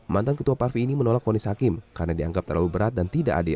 mantan ketua parvi ini menolak fonis hakim karena dianggap terlalu berat dan tidak adil